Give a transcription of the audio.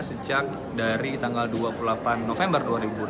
sejak dari tanggal dua puluh delapan november dua ribu dua puluh